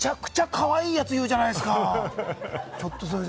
むちゃくちゃかわいいやつ言うじゃないですか。